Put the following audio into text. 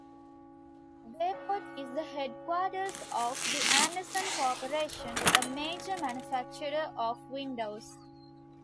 Bayport is the headquarters of the Andersen Corporation, a major manufacturer of windows.